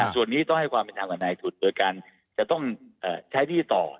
ส่วนนี้ต้องให้ความบิดอ่๋าการในทุฯโดยการจะต้องใช้ที่ต่อ